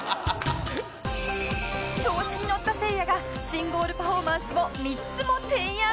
調子にのったせいやが新ゴールパフォーマンスを３つも提案